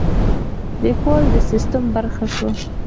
لیکوال د سیستم برخه شوه.